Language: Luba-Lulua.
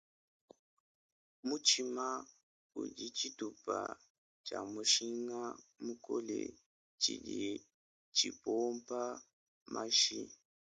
Mutshima udi tshitupa tshia mushinga mukole tshidi tshipompa mashi.